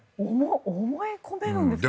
思い込めるんですかね？